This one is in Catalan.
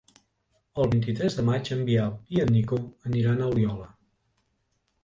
El vint-i-tres de maig en Biel i en Nico aniran a Oliola.